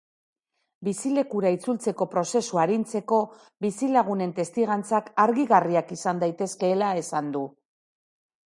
Bizilekura itzultzeko prozesua arintzeko, bizilagunen testigantzak argigarriak izan daitezkeela esan du.